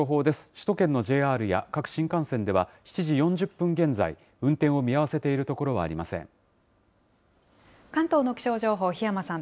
首都圏のＪＲや各新幹線では、７時４０分現在、運転を見合わせているところはありません。